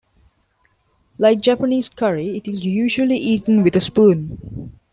Like Japanese curry, it is usually eaten with a spoon.